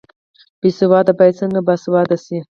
بې سواده باید څنګه باسواده شي؟